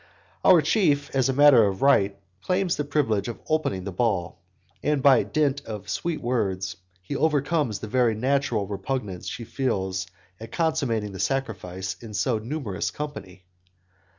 Our chief, as a matter of right, claims the privilege of opening the ball; and by dint of sweet words he overcomes the very natural repugnance she feels at consummating the sacrifice in so numerous company.